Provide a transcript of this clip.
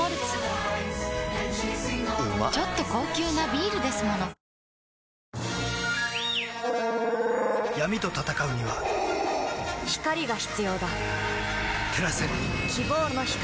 ちょっと高級なビールですもの闇と闘うには光が必要だ照らせ希望の光